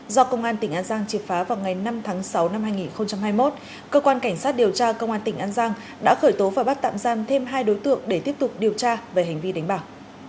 do công an tỉnh an giang triệt phá vào ngày năm tháng sáu năm hai nghìn hai mươi một cơ quan cảnh sát điều tra công an tỉnh an giang đã khởi tố và bắt tạm giam thêm hai đối tượng để tiếp tục điều tra về hành vi đánh bạc